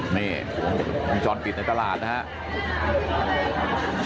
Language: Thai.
นี่วงจรปิดในตลาดนะครับ